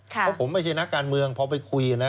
เพราะผมไม่ใช่นักการเมืองพอไปคุยนะ